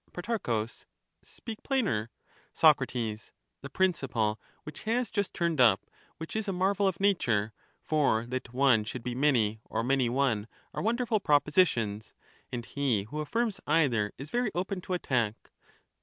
Many. Pro, Speak plainer. Soc, The principle which has just turned up, which is a marvel of nature ; for that one should be many or many one^ are wonderful propositions ; and he who aflBrms either is very open to attack.